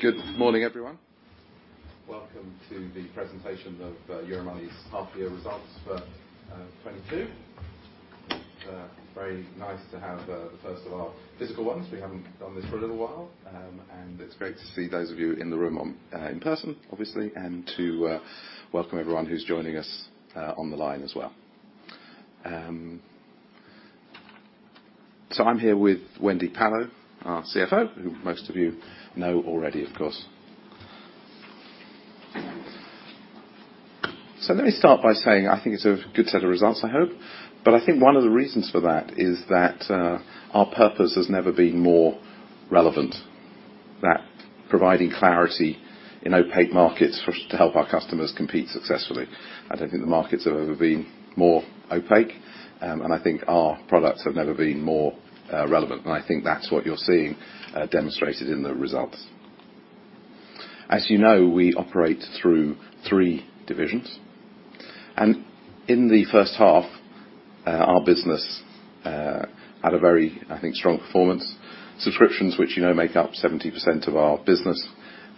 Good morning, everyone. Welcome to the Presentation of Euromoney's Half Year Results for 2022. Very nice to have the first of our physical ones. We haven't done this for a little while, and it's great to see those of you in the room in person, obviously, and to welcome everyone who's joining us on the line as well. I'm here with Wendy Pallot, our CFO, who most of you know already, of course. Let me start by saying I think it's a good set of results, I hope. I think one of the reasons for that is that our purpose has never been more relevant. Providing clarity in opaque markets to help our customers compete successfully. I don't think the markets have ever been more opaque, and I think our products have never been more relevant, and I think that's what you're seeing demonstrated in the results. As you know, we operate through three divisions. In the first half, our business had a very, I think, strong performance. Subscriptions, which you know, make up 70% of our business,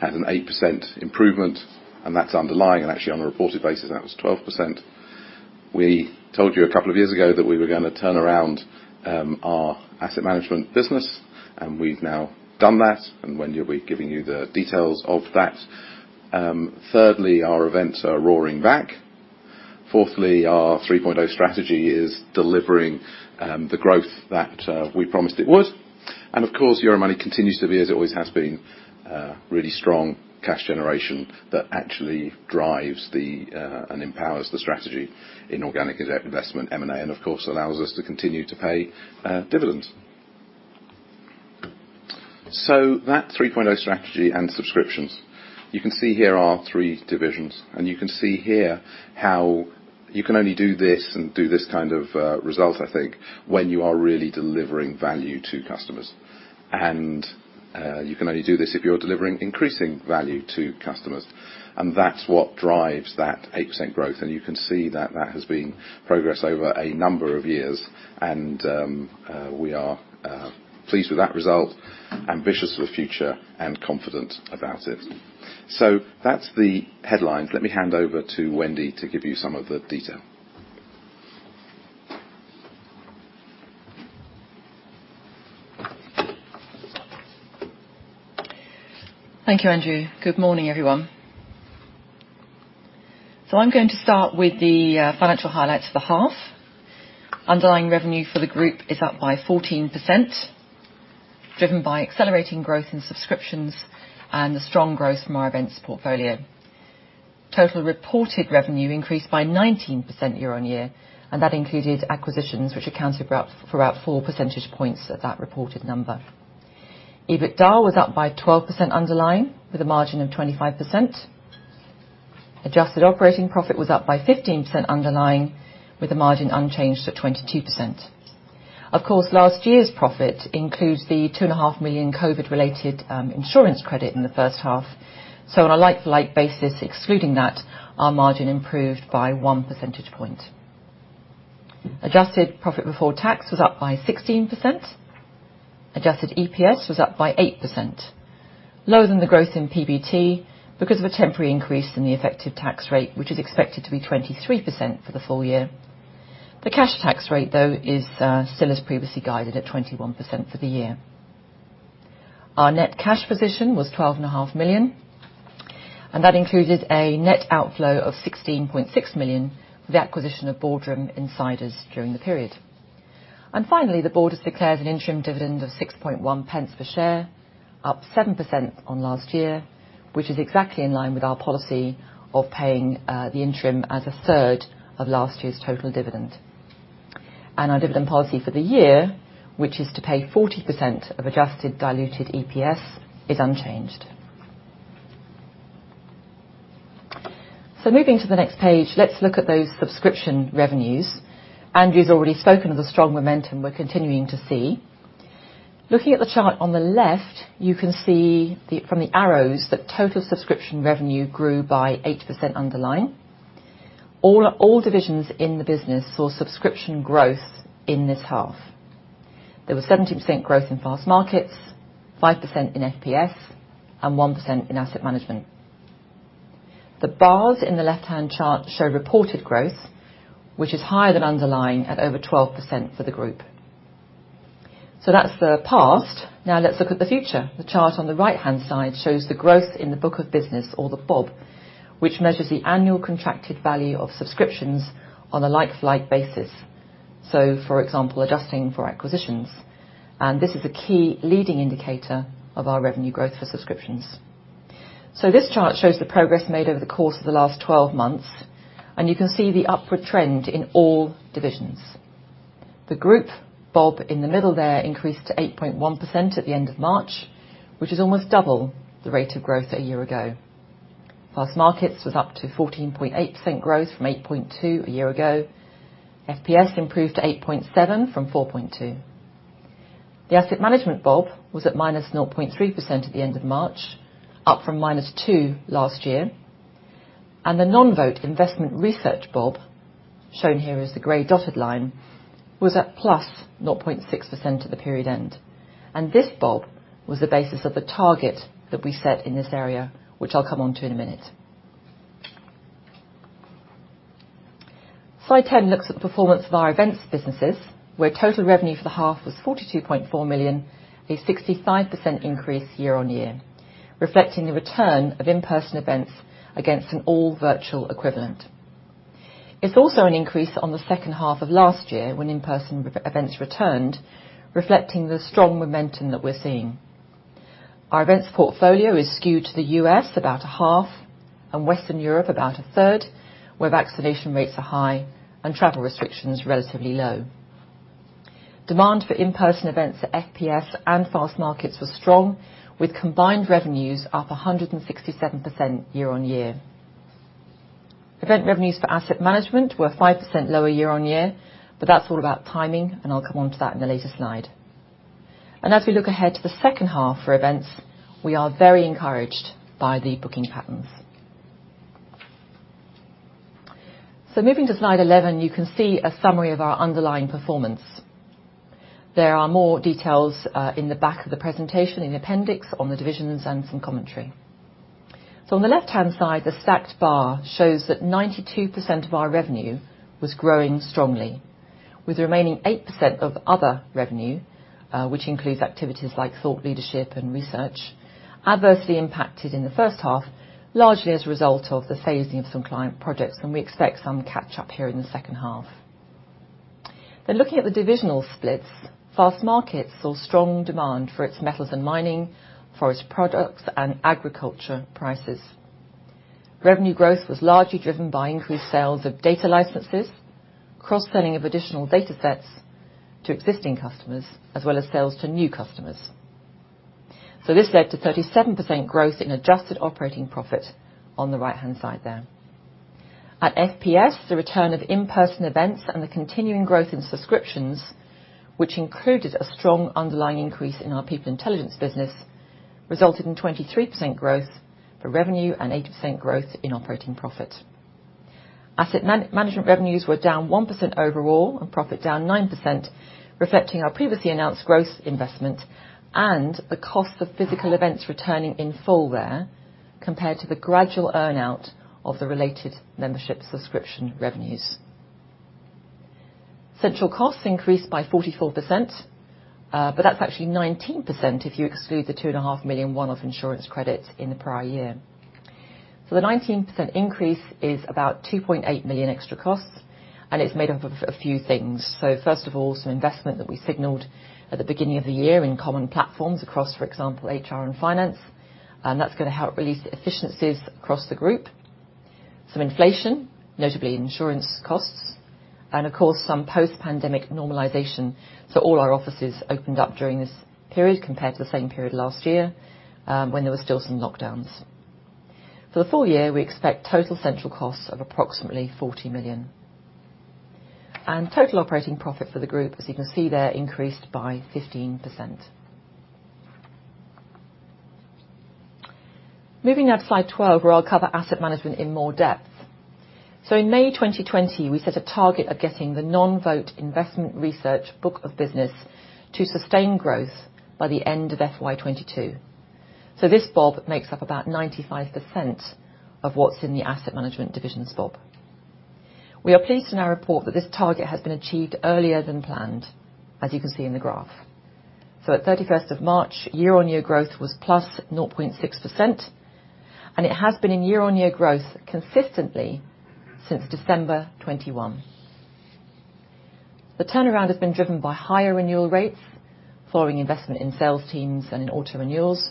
had an 8% improvement, and that's underlying. Actually, on a reported basis, that was 12%. We told you a couple of years ago that we were gonna turn around our asset management business, and we've now done that. Wendy will be giving you the details of that. Thirdly, our events are roaring back. Fourthly, our 3.0 strategy is delivering the growth that we promised it would. Of course, Euromoney continues to be, as it always has been, a really strong cash generation that actually drives and empowers the strategy in organic investment, M&A, and of course, allows us to continue to pay dividends. That 3.0 strategy and subscriptions, you can see here our three divisions, and you can see here how you can only do this and do this kind of result, I think, when you are really delivering value to customers. You can only do this if you're delivering increasing value to customers, and that's what drives that 8% growth. You can see that that has been progress over a number of years and we are pleased with that result, ambitious for the future and confident about it. That's the headlines. Let me hand over to Wendy to give you some of the detail. Thank you, Andrew. Good morning, everyone. I'm going to start with the financial highlights for the half. Underlying revenue for the group is up by 14%, driven by accelerating growth in subscriptions and the strong growth from our events portfolio. Total reported revenue increased by 19% year-on-year, and that included acquisitions which accounted for about 4 percentage points of that reported number. EBITDA was up by 12% underlying, with a margin of 25%. Adjusted operating profit was up by 15% underlying, with the margin unchanged to 22%. Of course, last year's profit includes the 2.5 million COVID-related insurance credit in the first half. On a like-for-like basis, excluding that, our margin improved by 1 percentage point. Adjusted profit before tax was up by 16%. Adjusted EPS was up by 8%. Lower than the growth in PBT because of a temporary increase in the effective tax rate, which is expected to be 23% for the full year. The cash tax rate, though, is still as previously guided at 21% for the year. Our net cash position was 12.5 million, and that included a net outflow of 16.6 million with the acquisition of Boardroom Insiders during the period. Finally, the board has declared an interim dividend of 6.1 pence per share, up 7% on last year, which is exactly in line with our policy of paying the interim as a third of last year's total dividend. Our dividend policy for the year, which is to pay 40% of adjusted diluted EPS, is unchanged. Moving to the next page, let's look at those subscription revenues. Andrew's already spoken of the strong momentum we're continuing to see. Looking at the chart on the left, you can see from the arrows that total subscription revenue grew by 8% underlying. All divisions in the business saw subscription growth in this half. There was 17% growth in Fastmarkets, 5% in FPS, and 1% in asset management. The bars in the left-hand chart show reported growth, which is higher than underlying at over 12% for the group. That's the past. Now let's look at the future. The chart on the right-hand side shows the growth in the book of business or the BoB, which measures the annual contracted value of subscriptions on a like-to-like basis. For example, adjusting for acquisitions. This is a key leading indicator of our revenue growth for subscriptions. This chart shows the progress made over the course of the last 12 months, and you can see the upward trend in all divisions. The group BoB in the middle there increased to 8.1% at the end of March, which is almost double the rate of growth a year ago. Fastmarkets was up to 14.8% growth from 8.2% a year ago. FPS improved to 8.7% from 4.2%. The asset management BoB was at -0.3% at the end of March, up from -2% last year. The non-vote Investment Research BoB, shown here as the gray dotted line, was at +0.6% at the period end, and this BoB was the basis of the target that we set in this area, which I'll come onto in a minute. Slide 10 looks at the performance of our events businesses, where total revenue for the half was 42.4 million, a 65% increase year-on-year, reflecting the return of in-person events against an all virtual equivalent. It's also an increase on the second half of last year, when in-person events returned, reflecting the strong momentum that we're seeing. Our events portfolio is skewed to the U.S. about a half and Western Europe about a third, where vaccination rates are high and travel restrictions relatively low. Demand for in-person events at FPS and Fastmarkets was strong, with combined revenues up 167% year-on-year. Event revenues for Asset Management were 5% lower year-on-year, but that's all about timing, and I'll come onto that in a later slide. As we look ahead to the second half for events, we are very encouraged by the booking patterns. Moving to slide 11, you can see a summary of our underlying performance. There are more details in the back of the presentation in the appendix on the divisions and some commentary. On the left-hand side, the stacked bar shows that 92% of our revenue was growing strongly. With the remaining 8% of other revenue, which includes activities like thought leadership and research, adversely impacted in the first half, largely as a result of the phasing of some client projects, and we expect some catch-up here in the second half. Looking at the divisional splits, Fastmarkets saw strong demand for its metals and mining, forest products, and agriculture prices. Revenue growth was largely driven by increased sales of data licenses, cross-selling of additional datasets to existing customers, as well as sales to new customers. This led to 37% growth in adjusted operating profit on the right-hand side there. At FPS, the return of in-person events and the continuing growth in subscriptions, which included a strong underlying increase in our People Intelligence business, resulted in 23% growth for revenue and 80% growth in operating profit. Asset Management revenues were down 1% overall and profit down 9%, reflecting our previously announced growth investment and the cost of physical events returning in full there compared to the gradual earn-out of the related membership subscription revenues. Central costs increased by 44%, but that's actually 19% if you exclude the 2.5 million one-off insurance credit in the prior year. The 19% increase is about 2.8 million extra costs, and it's made up of a few things. First of all, some investment that we signaled at the beginning of the year in common platforms across, for example, HR and finance, and that's gonna help release efficiencies across the group. Some inflation, notably insurance costs, and of course, some post-pandemic normalization for all our offices opened up during this period compared to the same period last year, when there were still some lockdowns. For the full year, we expect total central costs of approximately 40 million. Total operating profit for the group, as you can see there, increased by 15%. Moving now to slide 12, where I'll cover asset management in more depth. In May 2020, we set a target of getting the non-vote Investment Research book of business to sustain growth by the end of FY 2022. This BoB makes up about 95% of what's in the asset management division's BoB. We are pleased in our report that this target has been achieved earlier than planned, as you can see in the graph. At 31st of March, year-on-year growth was +0.6%, and it has been in year-on-year growth consistently since December 2021. The turnaround has been driven by higher renewal rates following investment in sales teams and in auto renewals,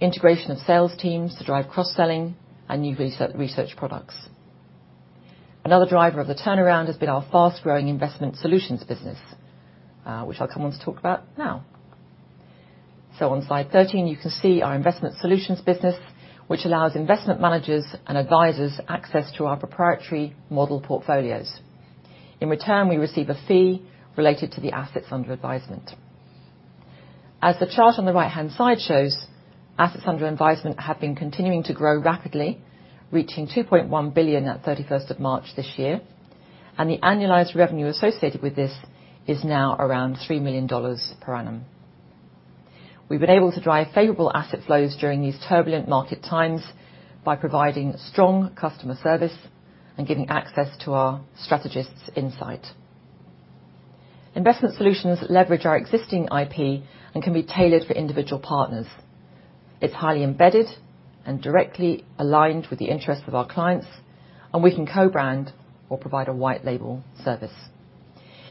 integration of sales teams to drive cross-selling and new research products. Another driver of the turnaround has been our fast-growing Investment Solutions business, which I'll come on to talk about now. On slide 13, you can see our Investment Solutions business, which allows investment managers and advisors access to our proprietary model portfolios. In return, we receive a fee related to the assets under advisement. As the chart on the right-hand side shows, assets under advisement have been continuing to grow rapidly, reaching 2.1 billion at 31st of March this year. The annualized revenue associated with this is now around $3 million per annum. We've been able to drive favorable asset flows during these turbulent market times by providing strong customer service and giving access to our strategists' insight. Investment Solutions leverage our existing IP and can be tailored for individual partners. It's highly embedded and directly aligned with the interests of our clients, and we can co-brand or provide a white label service.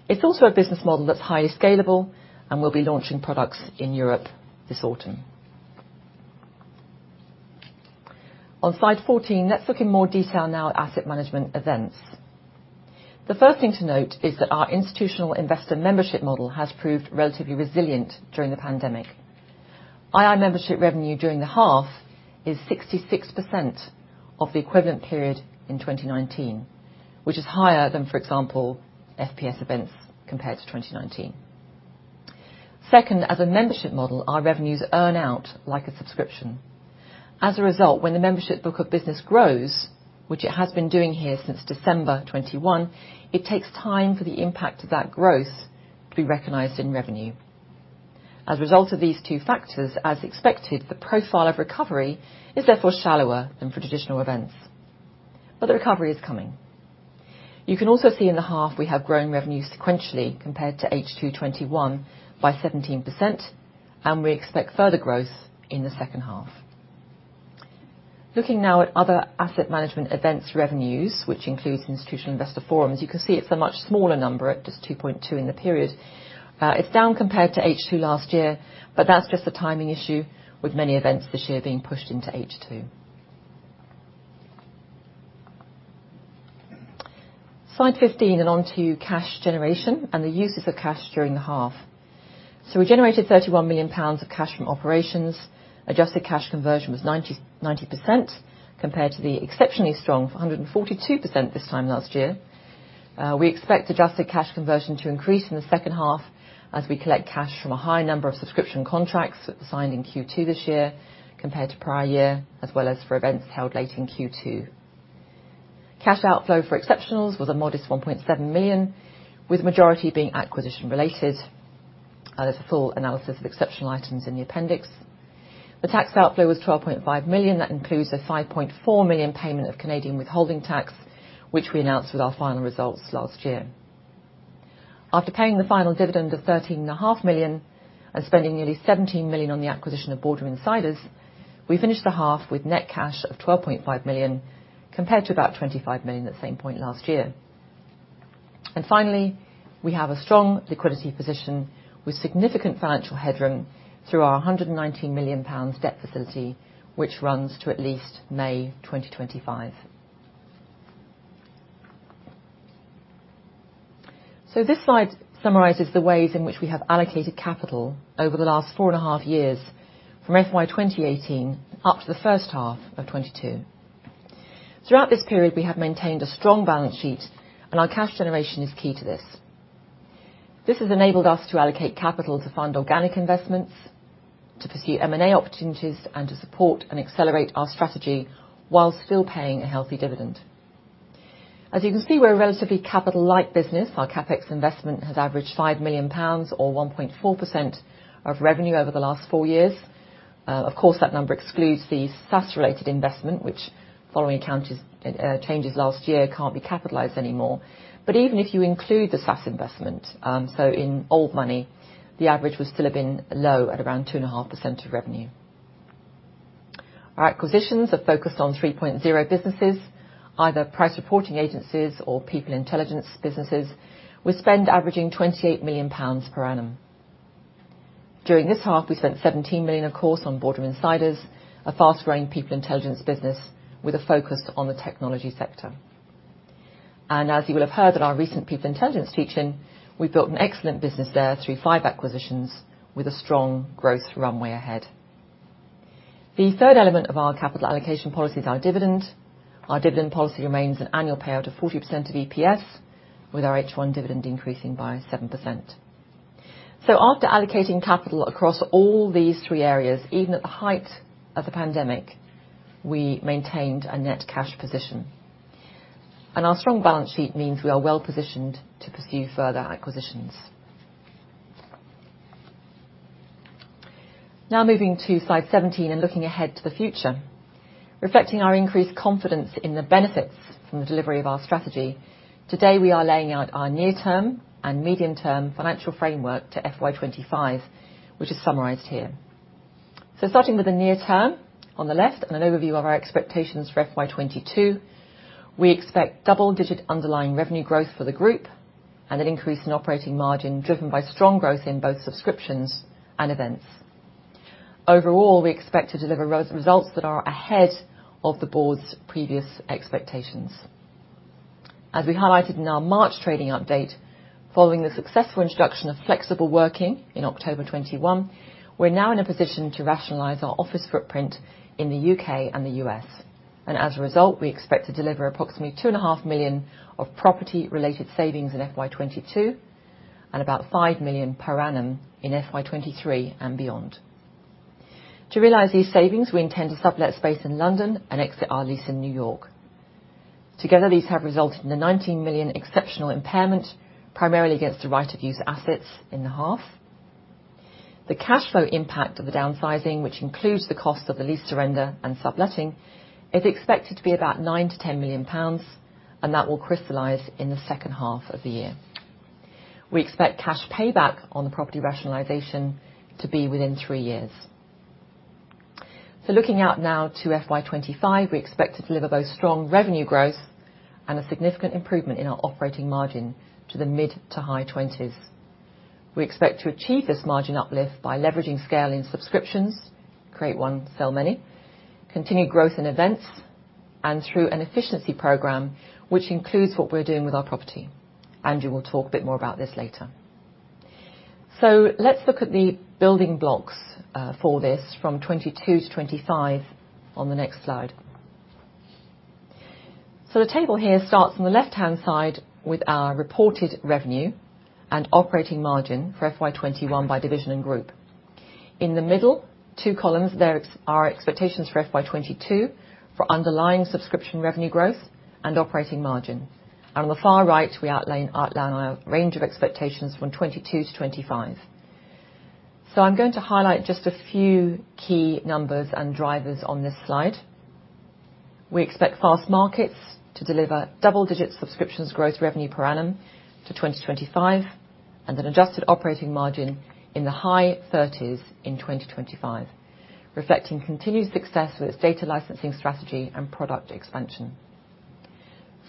It's also a business model that's highly scalable and will be launching products in Europe this autumn. On slide 14, let's look in more detail now at asset management events. The first thing to note is that our Institutional Investor membership model has proved relatively resilient during the pandemic. II membership revenue during the half is 66% of the equivalent period in 2019, which is higher than, for example, FPS events compared to 2019. Second, as a membership model, our revenues earn out like a subscription. As a result, when the membership book of business grows, which it has been doing here since December 2021, it takes time for the impact of that growth to be recognized in revenue. As a result of these two factors, as expected, the profile of recovery is therefore shallower than for traditional events. The recovery is coming. You can also see in the half we have grown revenue sequentially compared to H2 2021 by 17%, and we expect further growth in the second half. Looking now at other Asset Management events revenues, which includes Institutional Investor forums. You can see it's a much smaller number at just 2.2 in the period. It's down compared to H2 last year, but that's just a timing issue with many events this year being pushed into H2. Slide 15, and onto cash generation and the uses of cash during the half. We generated 31 million pounds of cash from operations. Adjusted cash conversion was 90% compared to the exceptionally strong 142% this time last year. We expect adjusted cash conversion to increase in the second half as we collect cash from a high number of subscription contracts signed in Q2 this year compared to prior year, as well as for events held late in Q2. Cash outflow for exceptionals was a modest 1.7 million, with majority being acquisition related. There's a full analysis of exceptional items in the appendix. The tax outflow was 12.5 million. That includes a 5.4 million payment of Canadian withholding tax, which we announced with our final results last year. After paying the final dividend of 13.5 million and spending nearly 17 million on the acquisition of Boardroom Insiders, we finished the half with net cash of 12.5 million, compared to about 25 million at the same point last year. Finally, we have a strong liquidity position with significant financial headroom through our 119 million pounds debt facility, which runs to at least May 2025. This slide summarizes the ways in which we have allocated capital over the last four and a half years, from FY 2018 up to the first half of 2022. Throughout this period, we have maintained a strong balance sheet and our cash generation is key to this. This has enabled us to allocate capital to fund organic investments, to pursue M&A opportunities, and to support and accelerate our strategy while still paying a healthy dividend. As you can see, we're a relatively capital-light business. Our CapEx investment has averaged 5 million pounds or 1.4% of revenue over the last four years. Of course, that number excludes the SaaS-related investment which, following account changes last year, can't be capitalized anymore. Even if you include the SaaS investment, so in old money, the average would still have been low at around 2.5% of revenue. Our acquisitions are focused on 3.0 businesses, either Price Reporting Agencies or People Intelligence businesses, with spend averaging 28 million pounds per annum. During this half, we spent 17 million, of course, on Boardroom Insiders, a fast-growing People Intelligence business with a focus on the technology sector. As you will have heard at our recent People Intelligence Teach-In, we've built an excellent business there through 5 acquisitions with a strong growth runway ahead. The third element of our capital allocation policy is our dividend. Our dividend policy remains an annual payout of 40% of EPS, with our H1 dividend increasing by 7%. After allocating capital across all these three areas, even at the height of the pandemic, we maintained a net cash position. Our strong balance sheet means we are well-positioned to pursue further acquisitions. Now moving to slide 17 and looking ahead to the future. Reflecting our increased confidence in the benefits from the delivery of our strategy, today we are laying out our near-term and medium-term financial framework to FY 2025, which is summarized here. Starting with the near term on the left and an overview of our expectations for FY 2022. We expect double-digit underlying revenue growth for the group and an increase in operating margin driven by strong growth in both subscriptions and events. Overall, we expect to deliver results that are ahead of the board's previous expectations. As we highlighted in our March trading update, following the successful introduction of flexible working in October 2021, we're now in a position to rationalize our office footprint in the UK and the US. As a result, we expect to deliver approximately 2.5 million of property-related savings in FY 2022 and about 5 million per annum in FY 2023 and beyond. To realize these savings, we intend to sublet space in London and exit our lease in New York. Together, these have resulted in the 19 million exceptional impairment, primarily against the right-of-use assets in the half. The cash flow impact of the downsizing, which includes the cost of the lease surrender and subletting, is expected to be about 9-10 million pounds, and that will crystallize in the second half of the year. We expect cash payback on the property rationalization to be within three years. Looking out now to FY 2025, we expect to deliver both strong revenue growth and a significant improvement in our operating margin to the mid- to high 20s%. We expect to achieve this margin uplift by leveraging scale in subscriptions, create one, sell many, continued growth in events, and through an efficiency program, which includes what we're doing with our property. Andrew will talk a bit more about this later. Let's look at the building blocks for this from 2022 to 2025 on the next slide. The table here starts on the left-hand side with our reported revenue and operating margin for FY 2021 by division and group. In the middle two columns, there are expectations for FY 2022 for underlying subscription revenue growth and operating margin. On the far right, we outline our range of expectations from 2022 to 2025. I'm going to highlight just a few key numbers and drivers on this slide. We expect Fastmarkets to deliver double-digit% subscription growth revenue per annum to 2025, and an adjusted operating margin in the high 30s% in 2025, reflecting continued success with its data licensing strategy and product expansion.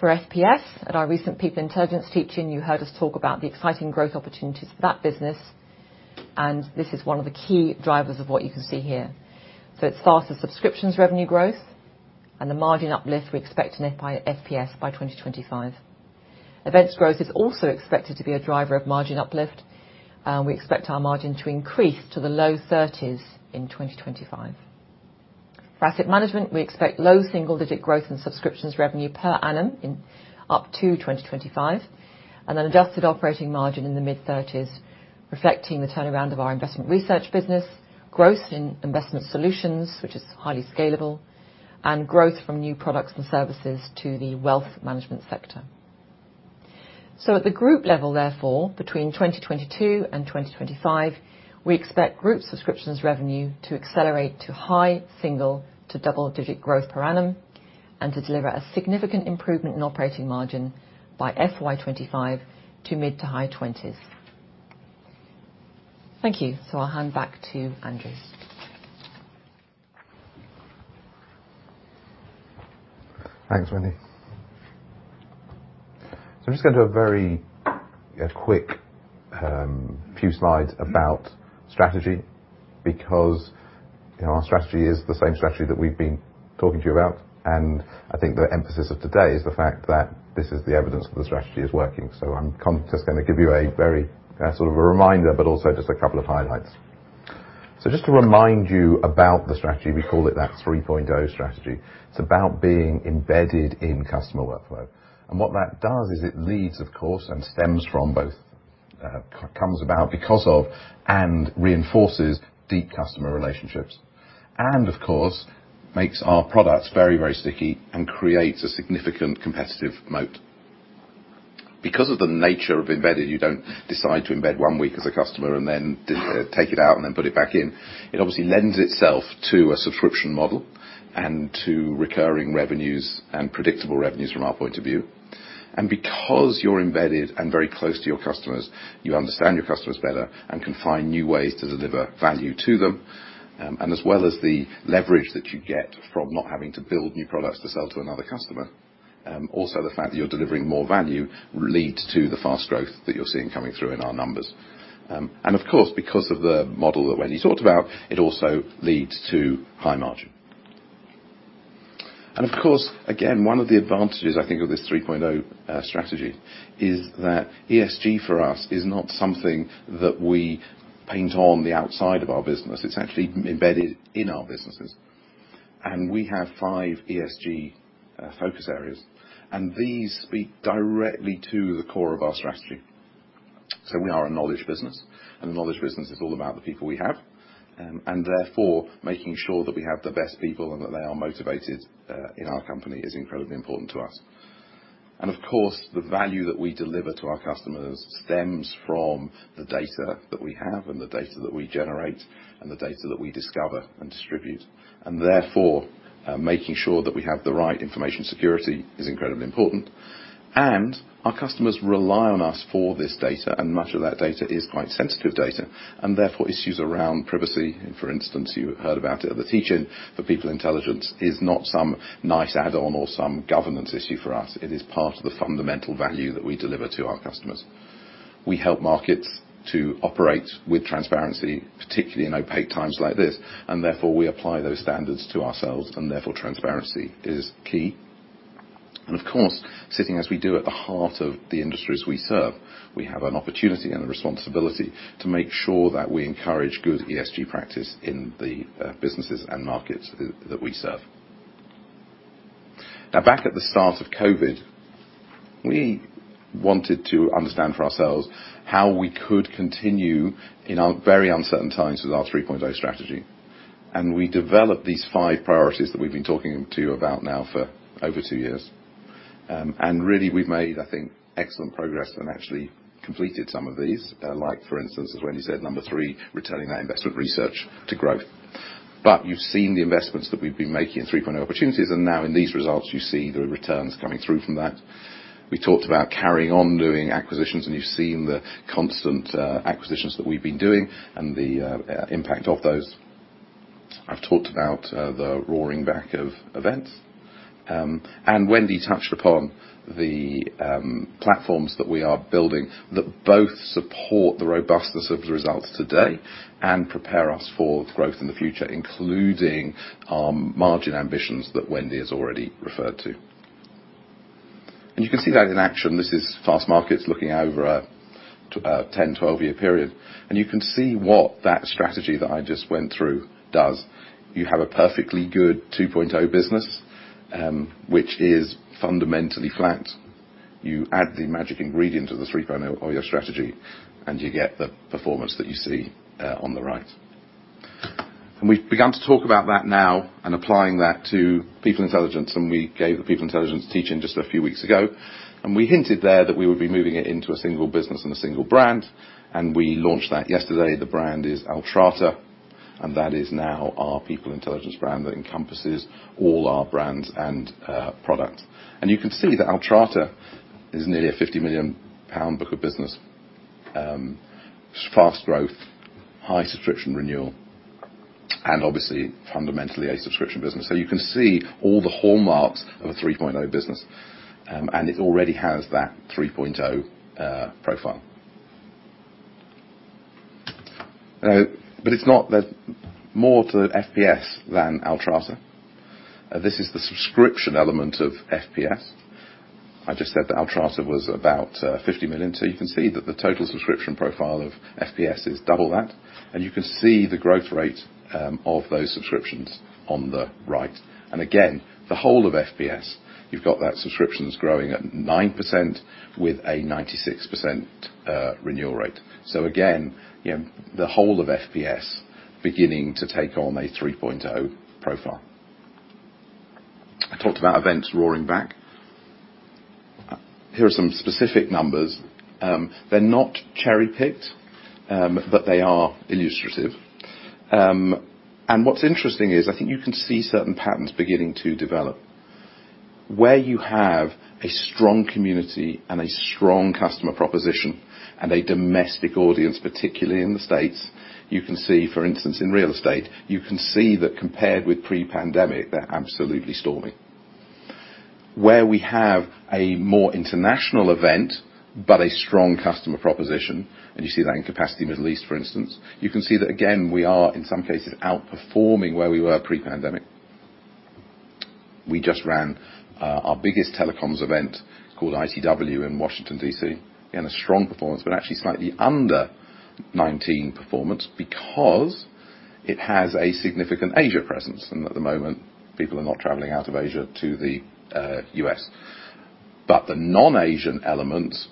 For FPS, at our recent People Intelligence teach-in, you heard us talk about the exciting growth opportunities for that business, and this is one of the key drivers of what you can see here. It's faster subscription revenue growth and the margin uplift we expect in FPS by 2025. Events growth is also expected to be a driver of margin uplift. We expect our margin to increase to the low 30s% in 2025. For asset management, we expect low single-digit% growth in subscriptions revenue per annum up to 2025, and an adjusted operating margin in the mid-30s%, reflecting the turnaround of our Investment Research business, growth in Investment Solutions, which is highly scalable, and growth from new products and services to the wealth management sector. At the group level, therefore, between 2022 and 2025, we expect group subscriptions revenue to accelerate to high single- to double-digit growth per annum, and to deliver a significant improvement in operating margin by FY 2025 to mid- to high 20s%. Thank you. I'll hand back to Andrew. Thanks, Wendy. I'm just going to do a very quick few slides about strategy because, you know, our strategy is the same strategy that we've been talking to you about, and I think the emphasis of today is the fact that this is the evidence that the strategy is working. I'm just gonna give you a very sort of a reminder, but also just a couple of highlights. Just to remind you about the strategy, we call it that 3.0 strategy. It's about being embedded in customer workflow. What that does is it leads, of course, and stems from both, comes about because of and reinforces deep customer relationships. Of course, makes our products very, very sticky and creates a significant competitive moat. Because of the nature of embedded, you don't decide to embed one week as a customer and then take it out and then put it back in. It obviously lends itself to a subscription model and to recurring revenues and predictable revenues from our point of view. Because you're embedded and very close to your customers, you understand your customers better and can find new ways to deliver value to them. As well as the leverage that you get from not having to build new products to sell to another customer. Also the fact that you're delivering more value will lead to the fast growth that you're seeing coming through in our numbers. Of course, because of the model that Wendy talked about, it also leads to high margin. Of course, again, one of the advantages I think of this 3.0 strategy is that ESG for us is not something that we paint on the outside of our business. It's actually embedded in our businesses. We have five ESG focus areas, and these speak directly to the core of our strategy. We are a knowledge business, and a knowledge business is all about the people we have. Therefore, making sure that we have the best people and that they are motivated in our company is incredibly important to us. Of course, the value that we deliver to our customers stems from the data that we have and the data that we generate and the data that we discover and distribute. Therefore, making sure that we have the right information security is incredibly important. Our customers rely on us for this data, and much of that data is quite sensitive data. Therefore, issues around privacy, for instance, you heard about it at the teach-in for People Intelligence, is not some nice add-on or some governance issue for us. It is part of the fundamental value that we deliver to our customers. We help markets to operate with transparency, particularly in opaque times like this, and therefore we apply those standards to ourselves, and therefore transparency is key. Of course, sitting as we do at the heart of the industries we serve, we have an opportunity and a responsibility to make sure that we encourage good ESG practice in the businesses and markets that we serve. Now back at the start of COVID, we wanted to understand for ourselves how we could continue in our very uncertain times with our 3.0 Strategy. We developed these five priorities that we've been talking to you about now for over two years. Really we've made, I think, excellent progress and actually completed some of these, like for instance, as Wendy said, number three, returning that investment research to growth. You've seen the investments that we've been making in 3.0 Opportunities, and now in these results you see the returns coming through from that. We talked about carrying on doing acquisitions, and you've seen the constant acquisitions that we've been doing and the impact of those. I've talked about the roaring back of events. Wendy touched upon the platforms that we are building that both support the robustness of the results today and prepare us for growth in the future, including our margin ambitions that Wendy has already referred to. You can see that in action. This is Fastmarkets looking over 10-12-year period. You can see what that strategy that I just went through does. You have a perfectly good 2.0 business, which is fundamentally flat. You add the magic ingredient of the 3.0 of your strategy, and you get the performance that you see on the right. We've begun to talk about that now and applying that to People Intelligence, and we gave the People Intelligence teach-in just a few weeks ago. We hinted there that we would be moving it into a single business and a single brand, and we launched that yesterday. The brand is Altrata, and that is now our People Intelligence brand that encompasses all our brands and products. You can see that Altrata is nearly a 50 million pound book of business. Fast growth, high subscription renewal, and obviously fundamentally a subscription business. You can see all the hallmarks of a 3.0 business, and it already has that 3.0 profile. But there's more to FPS than Altrata. This is the subscription element of FPS. I just said that Altrata was about 50 million, so you can see that the total subscription profile of FPS is double that. You can see the growth rate of those subscriptions on the right. Again, the whole of FPS, you've got that subscriptions growing at 9% with a 96% renewal rate. Again, you know, the whole of FPS beginning to take on a 3.0 profile. I talked about events roaring back. Here are some specific numbers. They're not cherry-picked, but they are illustrative. And what's interesting is I think you can see certain patterns beginning to develop. Where you have a strong community and a strong customer proposition and a domestic audience, particularly in the States, you can see, for instance, in real estate, you can see that compared with pre-pandemic, they're absolutely storming. Where we have a more international event, but a strong customer proposition, and you see that in Capacity Middle East, for instance, you can see that again, we are in some cases outperforming where we were pre-pandemic. We just ran our biggest telecoms event called ITW in Washington, D.C., again a strong performance, but actually slightly under 19% performance because it has a significant Asia presence. At the moment, people are not traveling out of Asia to the US. The non-Asian elements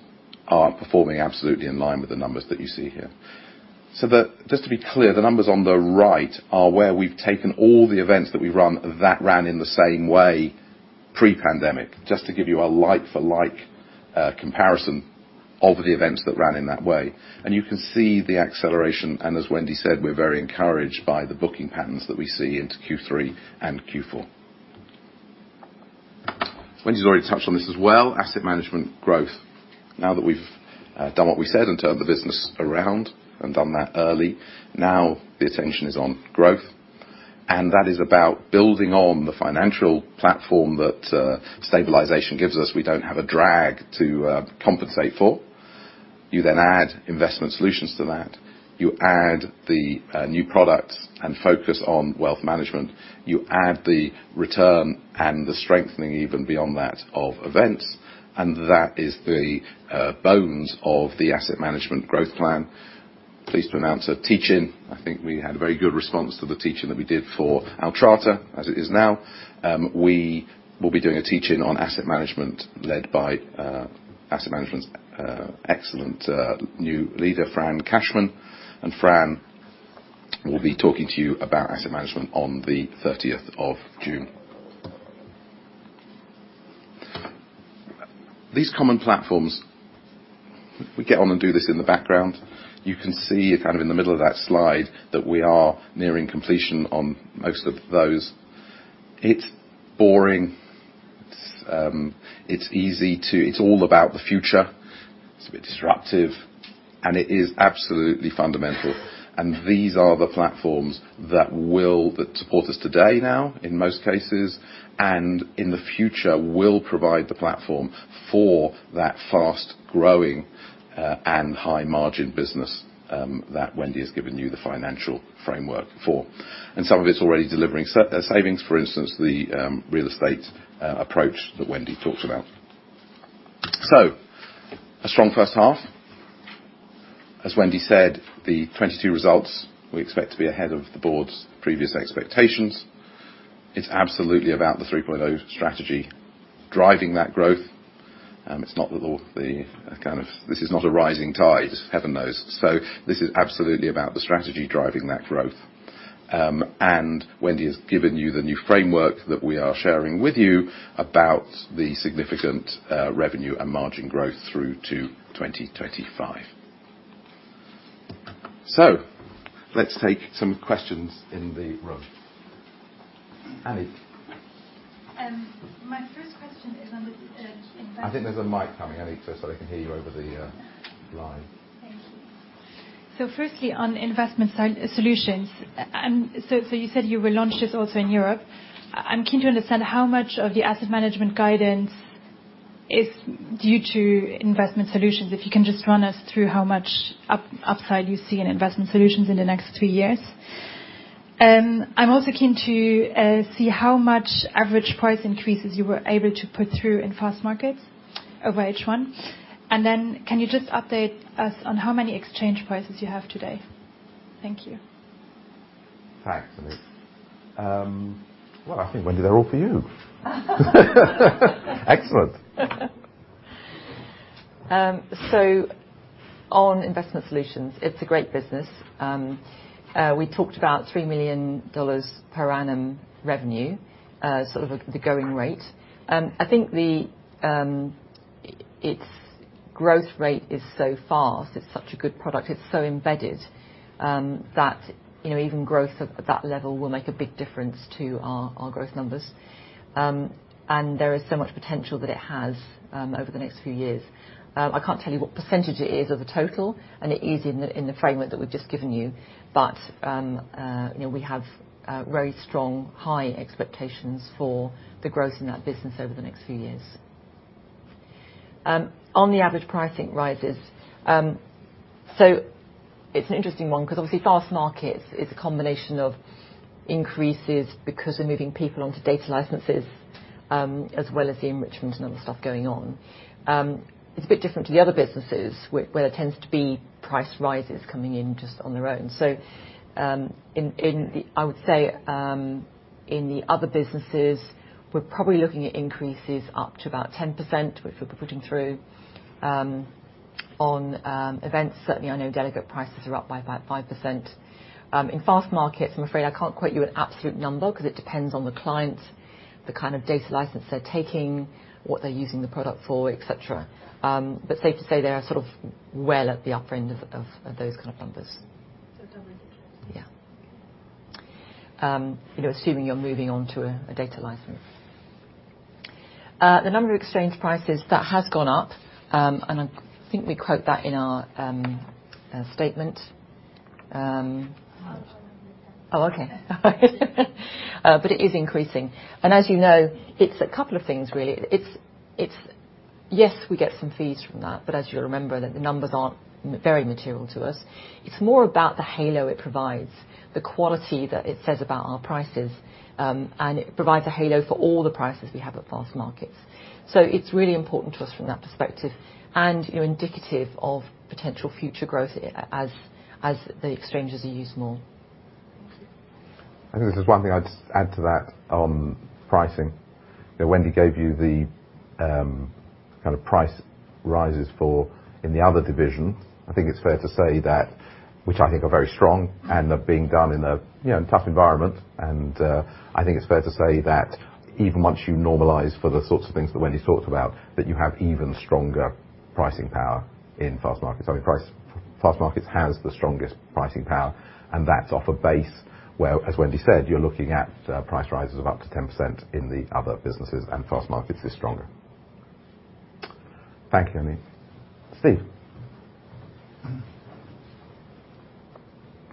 are performing absolutely in line with the numbers that you see here. Just to be clear, the numbers on the right are where we've taken all the events that we run that ran in the same way pre-pandemic, just to give you a like-for-like comparison of the events that ran in that way. You can see the acceleration, and as Wendy said, we're very encouraged by the booking patterns that we see into Q3 and Q4. Wendy's already touched on this as well, asset management growth. Now that we've done what we said and turned the business around and done that early, now the attention is on growth. That is about building on the financial platform that stabilization gives us. We don't have a drag to compensate for. You then add Investment Solutions to that. You add the new product and focus on wealth management. You add the return and the strengthening even beyond that of events, and that is the bones of the asset management growth plan. Pleased to announce a teach-in. I think we had a very good response to the teach-in that we did for Altrata as it is now. We will be doing a teach-in on asset management led by asset management's excellent new leader, Fran Cashman. Fran will be talking to you about asset management on the 30th of June. These common platforms, we get on and do this in the background. You can see kind of in the middle of that slide that we are nearing completion on most of those. It's boring. It's easy to. It's all about the future. It's a bit disruptive, and it is absolutely fundamental. These are the platforms that support us today now in most cases, and in the future will provide the platform for that fast-growing, and high-margin business, that Wendy has given you the financial framework for. Some of it's already delivering savings. For instance, the real estate approach that Wendy talked about. A strong first half. As Wendy said, the 2022 results we expect to be ahead of the board's previous expectations. It's absolutely about the 3.0 strategy driving that growth. It's not that all the kind of. This is not a rising tide, heaven knows. So this is absolutely about the strategy driving that growth. Wendy has given you the new framework that we are sharing with you about the significant, revenue and margin growth through to 2025. Let's take some questions in the room. Annie. My first question is on the investment. I think there's a mic coming, Annie, so they can hear you over the live. Thank you. Firstly on Investment Solutions, you said you will launch this also in Europe. I'm keen to understand how much of the asset management guidance is due to Investment Solutions. If you can just run us through how much upside you see in Investment Solutions in the next two years. I'm also keen to see how much average price increases you were able to put through in Fastmarkets over H1. Then can you just update us on how many exchange prices you have today? Thank you. Thanks, Annie. Well, I think, Wendy, they're all for you. Excellent. On Investment Solutions, it's a great business. We talked about $3 million per annum revenue, sort of the going rate. I think its growth rate is so fast, it's such a good product, it's so embedded, that, you know, even growth at that level will make a big difference to our growth numbers. There is so much potential that it has over the next few years. I can't tell you what percentage it is of the total, and it is in the fragment that we've just given you. You know, we have very strong high expectations for the growth in that business over the next few years. On the average pricing rises. It's an interesting one because obviously Fastmarkets is a combination of increases because we're moving people onto data licenses, as well as the enrichments and other stuff going on. It's a bit different to the other businesses where there tends to be price rises coming in just on their own. I would say, in the other businesses, we're probably looking at increases up to about 10%, which we'll be putting through. On events. Certainly, I know delegate prices are up by about 5%. In Fastmarkets, I'm afraid I can't quote you an absolute number 'cause it depends on the client, the kind of data license they're taking, what they're using the product for, et cetera. Safe to say they are sort of well at the upper end of those kind of numbers. Double digits? Yeah. Okay. You know, assuming you're moving on to a data license. The number of exchange prices, that has gone up. I think we quote that in our statement. Okay. It is increasing. As you know, it's a couple of things really. Yes, we get some fees from that, but as you remember, the numbers aren't very material to us. It's more about the halo it provides, the quality that it says about our prices, and it provides a halo for all the prices we have at Fastmarkets. So it's really important to us from that perspective, and you know, indicative of potential future growth as the exchanges are used more. Thank you. I think there's just one thing I'd just add to that on pricing. You know, Wendy gave you the kind of price rises for the other division. I think it's fair to say that, which I think are very strong and are being done in a, you know, in tough environment. I think it's fair to say that even once you normalize for the sorts of things that Wendy's talked about, that you have even stronger pricing power in Fastmarkets. I mean, Fastmarkets has the strongest pricing power, and that's off a base where, as Wendy said, you're looking at price rises of up to 10% in the other businesses, and Fastmarkets is stronger. Thank you, Annie. Steve?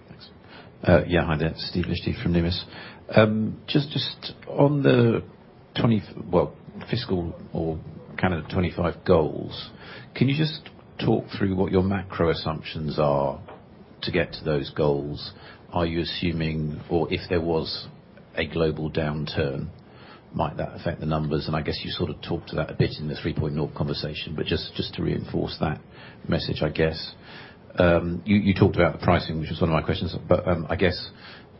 Thanks. Yeah. Hi there, Steve Liechti from Numis. Just on the fiscal or kind of the 25 goals, can you just talk through what your macro assumptions are to get to those goals? Are you assuming or if there was a global downturn, might that affect the numbers? I guess you sort of talked to that a bit in the 3.0 conversation, but just to reinforce that message, I guess. You talked about the pricing, which was one of my questions. I guess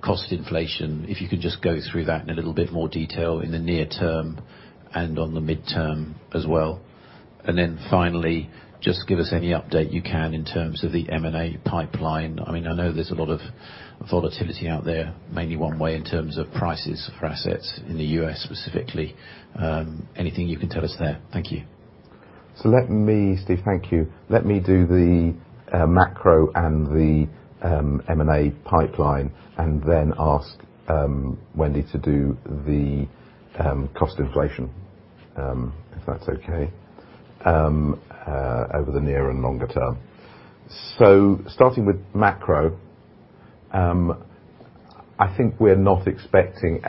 cost inflation, if you could just go through that in a little bit more detail in the near term and on the midterm as well. Then finally, just give us any update you can in terms of the M&A pipeline. I mean, I know there's a lot of volatility out there, mainly one way in terms of prices for assets in the US specifically. Anything you can tell us there? Thank you. Let me Steve, thank you. Let me do the macro and the M&A pipeline and then ask Wendy to do the cost inflation, if that's okay, over the near and longer term. Starting with macro, I think we're not expecting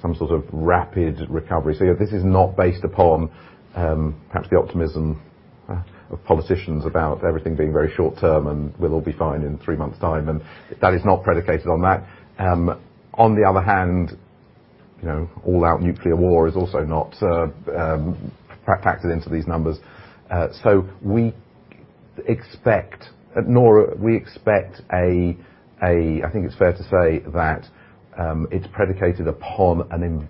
some sort of rapid recovery. This is not based upon perhaps the optimism of politicians about everything being very short term, and we'll all be fine in three months' time, and that is not predicated on that. On the other hand, you know, all out nuclear war is also not factored into these numbers. Nor do we expect a I think it's fair to say that it's predicated upon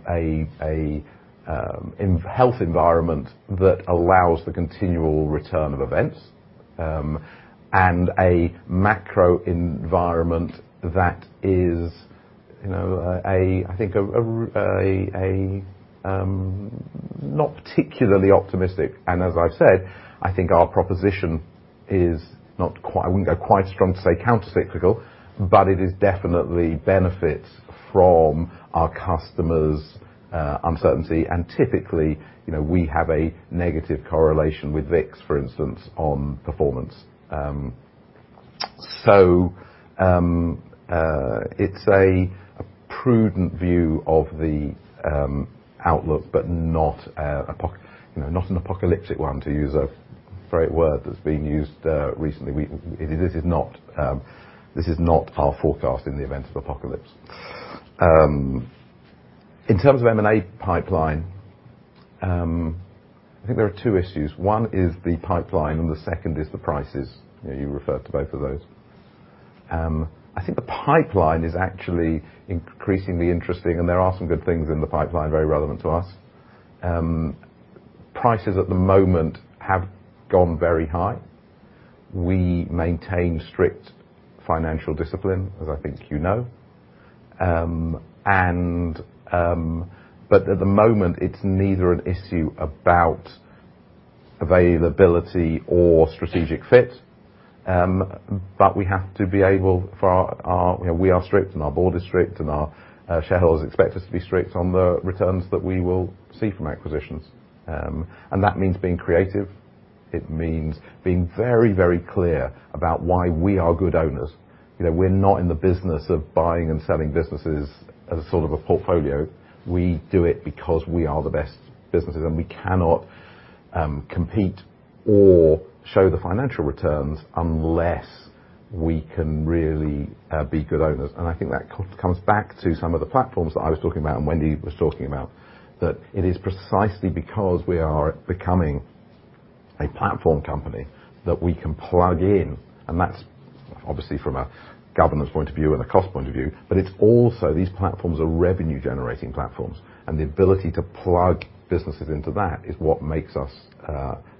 a healthy environment that allows the continual return of events and a macro environment that is, you know, I think, rather not particularly optimistic. As I've said, I think our proposition is. I wouldn't go quite as strong to say countercyclical, but it is definitely benefits from our customers' uncertainty. Typically, you know, we have a negative correlation with VIX, for instance, on performance. It's a more prudent view of the outlook, but not apocalyptic, you know, not an apocalyptic one, to use a fraught word that's been used recently. It is not. This is not our forecast in the event of apocalypse. In terms of M&A pipeline, I think there are two issues. One is the pipeline, and the second is the prices. You know, you referred to both of those. I think the pipeline is actually increasingly interesting, and there are some good things in the pipeline very relevant to us. Prices at the moment have gone very high. We maintain strict financial discipline, as I think you know. At the moment, it is neither an issue about availability or strategic fit. We have to be able for our, you know, we are strict, and our board is strict, and our shareholders expect us to be strict on the returns that we will see from acquisitions. That means being creative. It means being very, very clear about why we are good owners. You know, we're not in the business of buying and selling businesses as a sort of a portfolio. We do it because we are the best businesses, and we cannot compete or show the financial returns unless we can really be good owners. I think that comes back to some of the platforms that I was talking about and Wendy was talking about, that it is precisely because we are becoming a platform company that we can plug in. That's obviously from a governance point of view and a cost point of view, but it's also these platforms are revenue-generating platforms. The ability to plug businesses into that is what makes us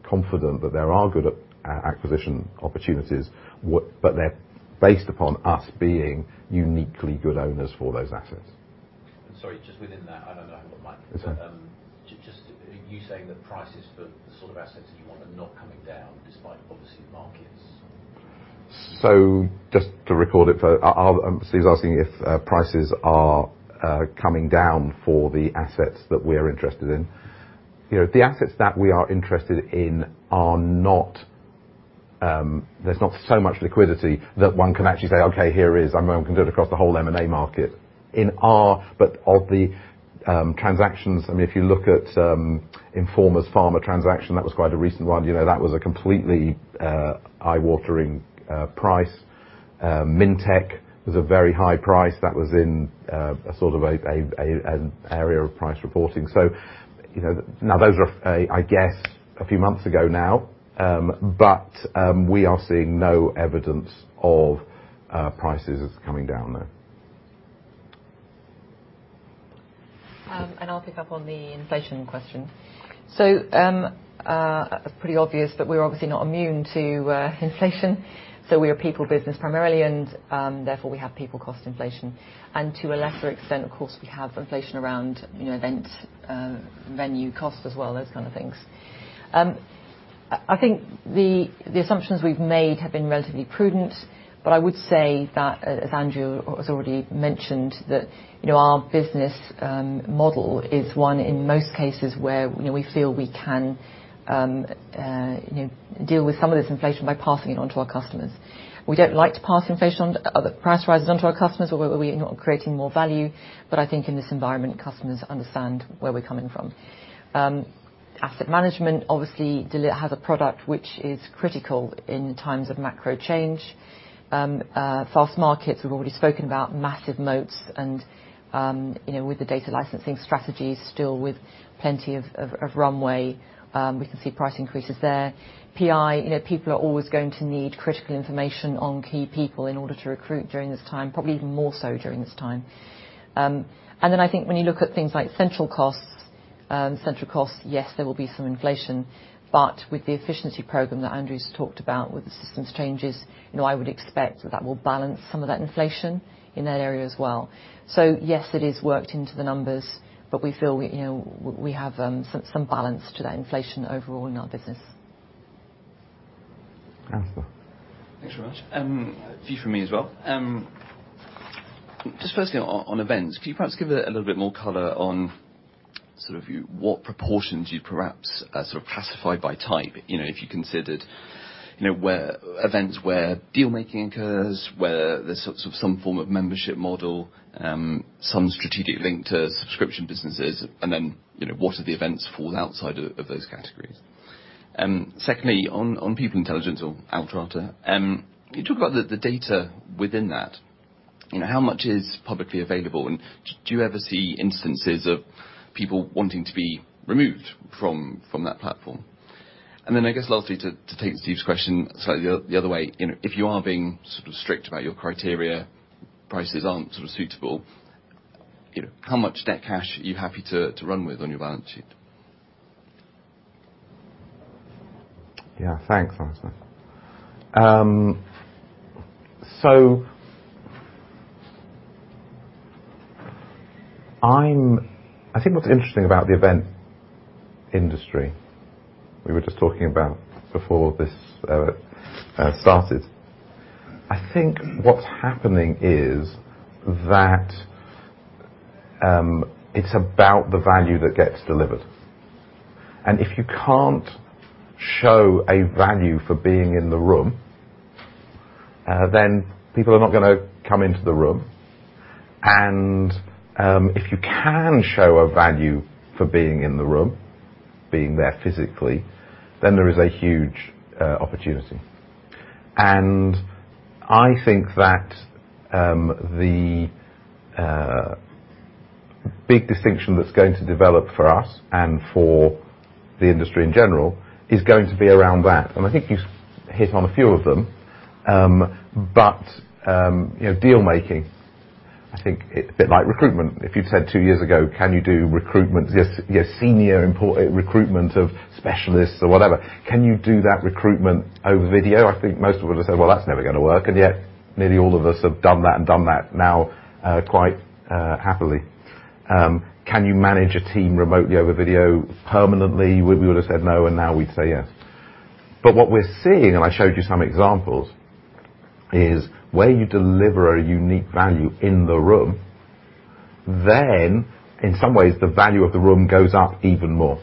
confident that there are good acquisition opportunities, but they're based upon us being uniquely good owners for those assets. Sorry, just within that, I don't know, I haven't got mine. It's okay. Just, are you saying that prices for the sort of assets that you want are not coming down despite obviously the markets? Just to record it for. I'll Steve's asking if prices are coming down for the assets that we are interested in. You know, the assets that we are interested in are not, there's not so much liquidity that one can actually say, Okay, here it is. I'm going to do it across the whole M&A market. Of the transactions, I mean, if you look at Informa's pharma transaction, that was quite a recent one, you know, that was a completely eye-watering price. Mintec was a very high price. That was in a sort of an area of price reporting. You know, now those are, I guess, a few months ago now. We are seeing no evidence of prices coming down, no. I'll pick up on the inflation question. Pretty obvious that we're obviously not immune to inflation. We're a people business primarily, and therefore we have people cost inflation. To a lesser extent, of course, we have inflation around, you know, event venue costs as well, those kind of things. I think the assumptions we've made have been relatively prudent, but I would say that as Andrew has already mentioned that, you know, our business model is one in most cases where, you know, we feel we can deal with some of this inflation by passing it on to our customers. We don't like to pass inflation on other price rises onto our customers unless we're creating more value. I think in this environment, customers understand where we're coming from. Asset Management, obviously, has a product which is critical in times of macro change. Fastmarkets, we've already spoken about massive moats and, you know, with the data licensing strategies still with plenty of runway, we can see price increases there. PI, you know, people are always going to need critical information on key people in order to recruit during this time, probably even more so during this time. I think when you look at things like central costs, central costs, yes, there will be some inflation. With the efficiency program that Andrew's talked about with the systems changes, you know, I would expect that that will balance some of that inflation in that area as well. Yes, it is worked into the numbers, but we feel, you know, we have some balance to that inflation overall in our business. Anthony. Thanks very much. A few from me as well. Just firstly on events, could you perhaps give a little bit more color on sort of what proportions you'd perhaps sort of classify by type? You know, if you considered, you know, where events where deal-making occurs, where there's sort of some form of membership model, some strategic link to subscription businesses, and then, you know, what other events fall outside of those categories. Secondly, on People Intelligence or Altrata, can you talk about the data within that? You know, how much is publicly available, and do you ever see instances of people wanting to be removed from that platform? I guess lastly, to take Steve's question slightly the other way, you know, if you are being sort of strict about your criteria, prices aren't sort of suitable, you know, how much net cash are you happy to run with on your balance sheet? Yeah. Thanks, Anthony. I think what's interesting about the event industry, we were just talking about before this started. I think what's happening is that it's about the value that gets delivered. If you can't show a value for being in the room, then people are not gonna come into the room. If you can show a value for being in the room, being there physically, then there is a huge opportunity. I think that the big distinction that's going to develop for us and for the industry in general is going to be around that. I think you've hit on a few of them. But you know, deal-making, I think a bit like recruitment. If you'd said two years ago, can you do recruitment? Yes. Recruitment of specialists or whatever, can you do that recruitment over video? I think most of us said, Well, that's never gonna work. Yet nearly all of us have done that and done that now, quite happily. Can you manage a team remotely over video permanently? We would've said no, and now we'd say yes. What we're seeing, and I showed you some examples, is where you deliver a unique value in the room, then in some ways, the value of the room goes up even more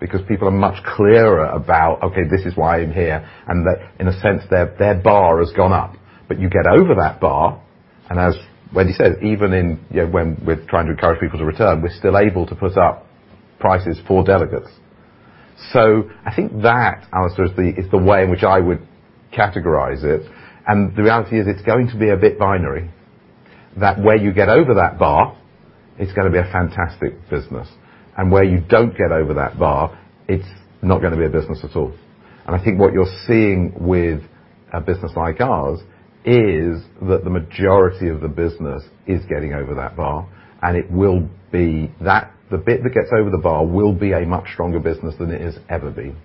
because people are much clearer about, okay, this is why I'm here, and that in a sense, their bar has gone up. You get over that bar, and as Wendy said, even in, you know, when we're trying to encourage people to return, we're still able to put up prices for delegates. I think that, Alastair, is the way in which I would categorize it. The reality is it's going to be a bit binary, that where you get over that bar, it's gonna be a fantastic business, and where you don't get over that bar, it's not gonna be a business at all. I think what you're seeing with a business like ours is that the majority of the business is getting over that bar, and the bit that gets over the bar will be a much stronger business than it has ever been.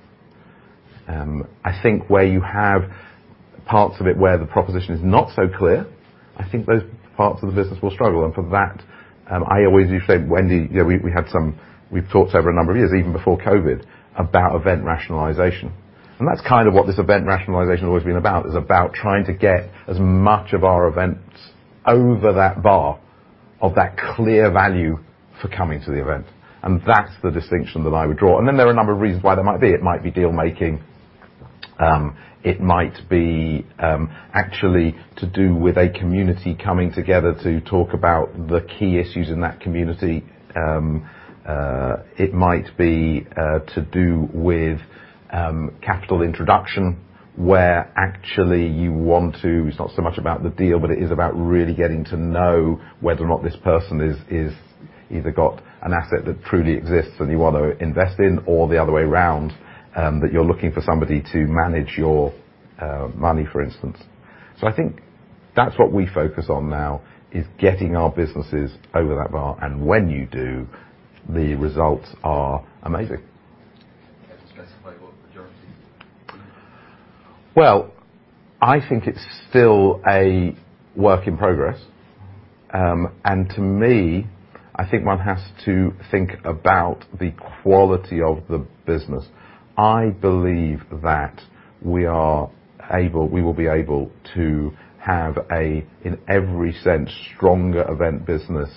I think where you have parts of it where the proposition is not so clear, I think those parts of the business will struggle. For that, I always do say, Wendy, you know, we had some. We've talked over a number of years, even before COVID, about event rationalization, and that's kind of what this event rationalization has always been about. It's about trying to get as much of our events over that bar of that clear value for coming to the event. That's the distinction that I would draw. Then there are a number of reasons why they might be. It might be deal-making. It might be, actually to do with a community coming together to talk about the key issues in that community. It might be to do with capital introduction, where actually you want to. It's not so much about the deal, but it is about really getting to know whether or not this person is either got an asset that truly exists and you want to invest in or the other way around, that you're looking for somebody to manage your money, for instance. I think that's what we focus on now, is getting our businesses over that bar. When you do, the results are amazing. Can you specify what the majority is? Well, I think it's still a work in progress. To me, I think one has to think about the quality of the business. I believe that we will be able to have a, in every sense, stronger event business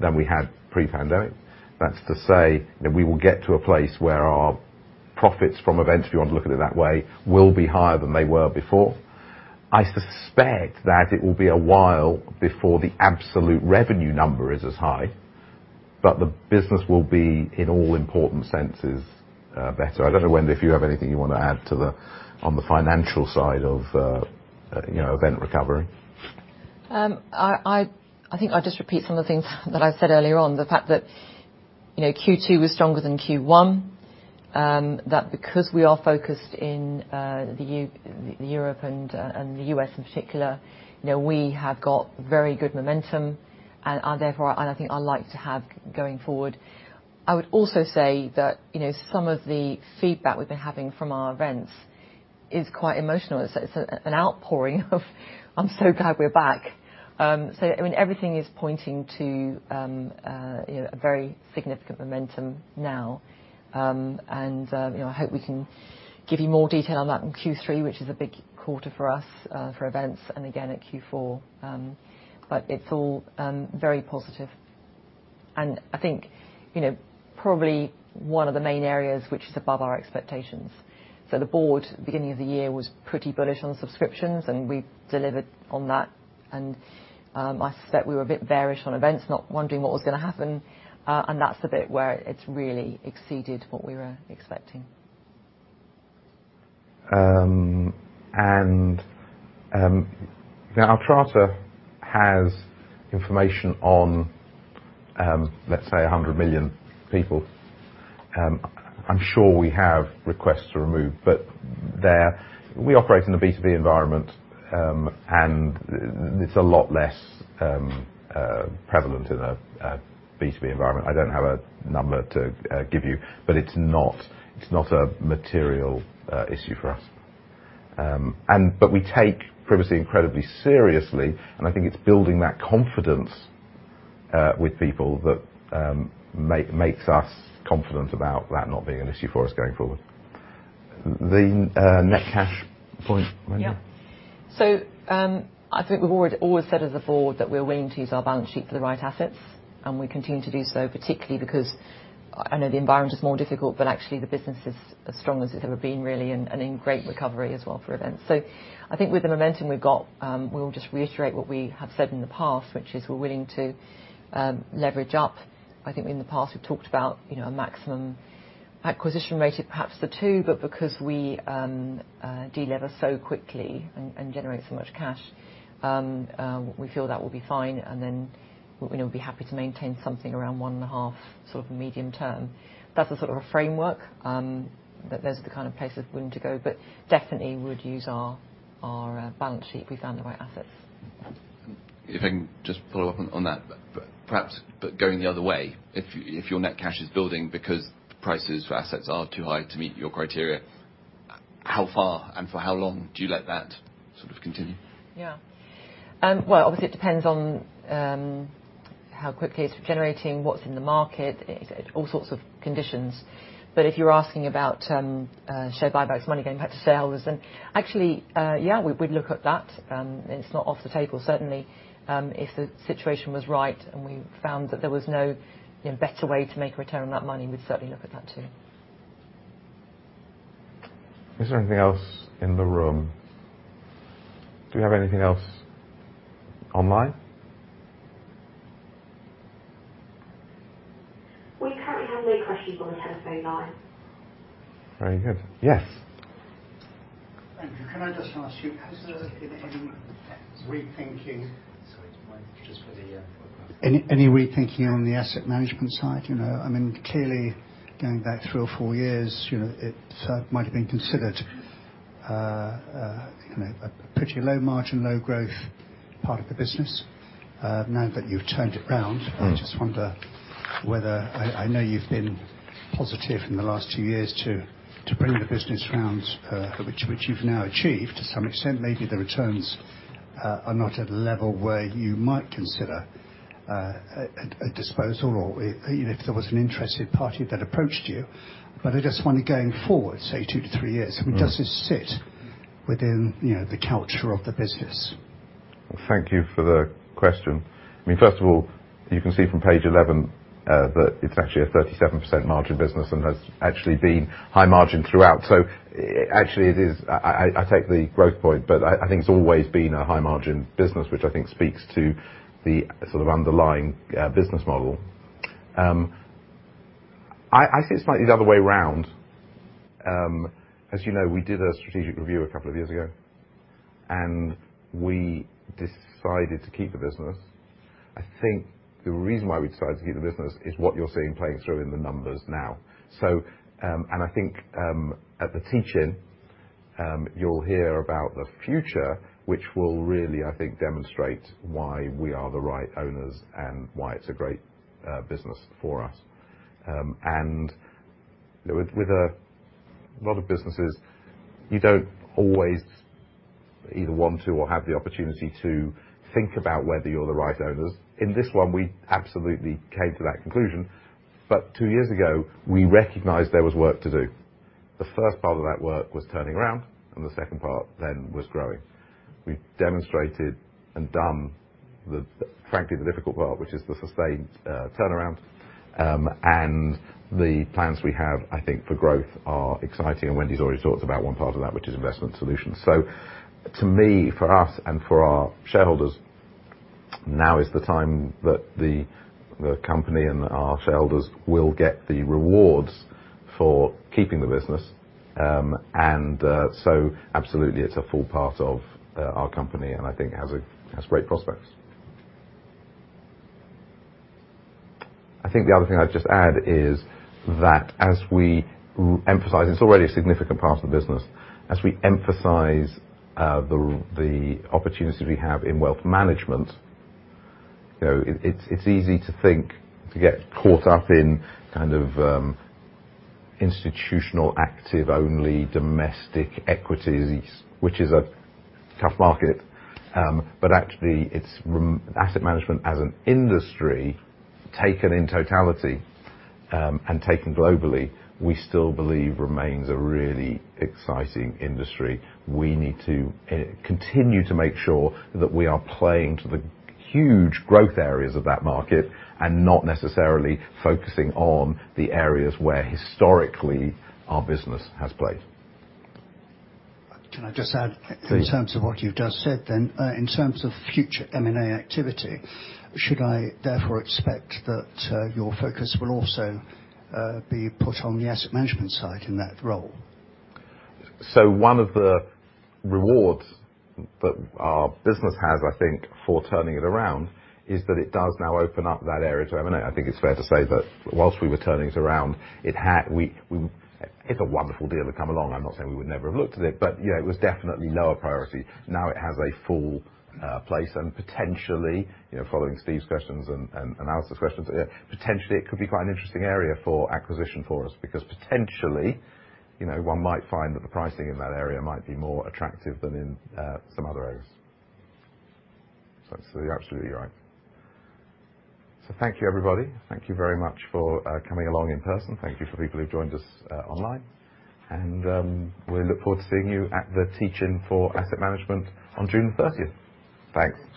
than we had pre-pandemic. That's to say that we will get to a place where our profits from events, if you want to look at it that way, will be higher than they were before. I suspect that it will be a while before the absolute revenue number is as high, but the business will be, in all important senses, better. I don't know, Wendy, if you have anything you want to add to on the financial side of, you know, event recovery. I think I'll just repeat some of the things that I said earlier on. The fact that, you know, Q2 was stronger than Q1. That because we are focused in the Europe and the US in particular, you know, we have got very good momentum and are therefore, and I think are likely to have going forward. I would also say that, you know, some of the feedback we've been having from our events is quite emotional. It's an outpouring of, I'm so glad we're back. So I mean, everything is pointing to, you know, a very significant momentum now. I hope we can give you more detail on that in Q3, which is a big quarter for us, for events and again at Q4. It's all very positive and I think, you know, probably one of the main areas which is above our expectations. The board at the beginning of the year was pretty bullish on subscriptions, and we delivered on that. I suspect we were a bit bearish on events, not wondering what was gonna happen. That's the bit where it's really exceeded what we were expecting. Now Altrata has information on, let's say 100 million people. I'm sure we have requests to remove, but we operate in a B2B environment, and it's a lot less prevalent in a B2B environment. I don't have a number to give you, but it's not a material issue for us. We take privacy incredibly seriously, and I think it's building that confidence with people that makes us confident about that not being an issue for us going forward. The net cash point. Yeah. I think we've always said as a board that we're willing to use our balance sheet for the right assets, and we continue to do so, particularly because I know the environment is more difficult, but actually the business is as strong as it's ever been, really, and in great recovery as well for events. I think with the momentum we've got, we'll just reiterate what we have said in the past, which is we're willing to leverage up. I think in the past we've talked about, you know, a maximum acquisition rate of perhaps 2. But because we de-lever so quickly and generate so much cash, we feel that will be fine, and then, you know, be happy to maintain something around 1.5, sort of medium term. That's the sort of a framework that those are the kind of places we're willing to go, but definitely would use our balance sheet if we found the right assets. If I can just follow up on that. Perhaps, but going the other way, if your net cash is building because prices for assets are too high to meet your criteria, how far and for how long do you let that sort of continue? Yeah. Well, obviously, it depends on how quickly it's generating, what's in the market, all sorts of conditions. If you're asking about share buybacks, money going back to shareholders, then actually, yeah, we'd look at that. It's not off the table. Certainly, if the situation was right and we found that there was no, you know, better way to make a return on that money, we'd certainly look at that too. Is there anything else in the room? Do we have anything else online? We currently have no questions on the telephone line. Very good. Yes. Thank you. Can I just ask you, has there been any rethinking? Sorry. Just for the Any rethinking on the asset management side? You know, I mean, clearly going back three or four years, you know, it might have been considered a pretty low margin, low growth part of the business. Now that you've turned it around. Mm. I just wonder whether I know you've been positive in the last two years to bring the business around, which you've now achieved to some extent. Maybe the returns are not at a level where you might consider a disposal or if, you know, if there was an interested party that approached you. I just want to going forward, say two to three years. Mm. Does this sit within, you know, the culture of the business? Thank you for the question. I mean, first of all, you can see from page 11 that it's actually a 37% margin business and has actually been high margin throughout. Actually it is. I take the growth point, but I think it's always been a high margin business, which I think speaks to the sort of underlying business model. I see it slightly the other way around. As you know, we did a strategic review a couple of years ago, and we decided to keep the business. I think the reason why we decided to keep the business is what you're seeing playing through in the numbers now. I think at the teach-in, you'll hear about the future, which will really, I think, demonstrate why we are the right owners and why it's a great business for us. With a lot of businesses, you don't always either want to or have the opportunity to think about whether you're the right owners. In this one, we absolutely came to that conclusion. Two years ago, we recognized there was work to do. The first part of that work was turning around, and the second part then was growing. We've demonstrated and done the, frankly, difficult part, which is the sustained turnaround. The plans we have, I think, for growth are exciting. Wendy's already talked about one part of that, which is Investment Solutions. To me, for us and for our shareholders, now is the time that the company and our shareholders will get the rewards for keeping the business. Absolutely, it's a full part of our company, and I think has great prospects. I think the other thing I'd just add is that as we emphasize, it's already a significant part of the business. As we emphasize the opportunities we have in wealth management, you know, it's easy to get caught up in kind of institutional, active only domestic equities, which is a tough market. Actually it's asset management as an industry taken in totality, and taken globally, we still believe remains a really exciting industry. We need to continue to make sure that we are playing to the huge growth areas of that market and not necessarily focusing on the areas where historically our business has played. Can I just add? Please. In terms of what you just said then, in terms of future M&A activity, should I therefore expect that your focus will also be put on the asset management side in that role? One of the rewards that our business has, I think, for turning it around is that it does now open up that area to M&A. I think it's fair to say that while we were turning it around, if a wonderful deal had come along, I'm not saying we would never have looked at it, but you know, it was definitely lower priority. Now it has a full place and potentially, you know, following Steve's questions and Alistair's questions, potentially it could be quite an interesting area for acquisition for us. Because potentially, you know, one might find that the pricing in that area might be more attractive than in some other areas. You're absolutely right. Thank you, everybody. Thank you very much for coming along in person. Thank you for people who've joined us online. We look forward to seeing you at the teach-in for asset management on June 30. Thanks.